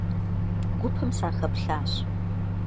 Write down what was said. Гупым сахэплъащ.